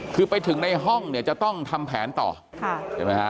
คือไปถึงในห้องเนี่ยจะต้องทำแผนต่อค่ะเห็นไหมฮะ